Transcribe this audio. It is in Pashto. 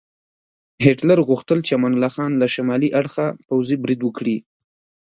هیټلر غوښتل چې امان الله خان له شمالي اړخه پوځي برید وکړي.